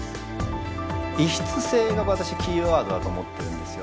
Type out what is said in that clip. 異質性が私キーワードだと思ってるんですよね。